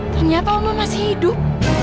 ternyata oma masih hidup